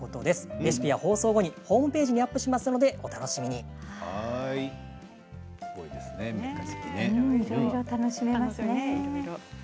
レシピは放送後にホームページでいろいろ楽しめますね。